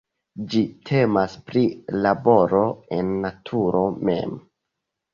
Ĝi temas pri laboro en naturo mem.